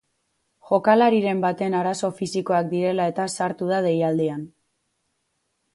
Jokalariren baten arazo fisikoak direla eta sartu da deialdian.